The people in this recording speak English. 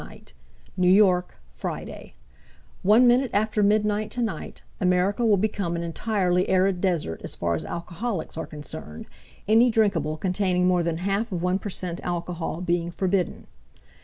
uk New York, FridayOne minute after midnight tonight America will become an entirely arid desert as far as alcoholics are concerned, any drinkable containing more than half of 1 per cent alcohol being forbidden.